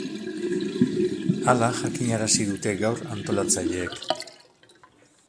Hala jakinarazi dute gaur antolatzaileek.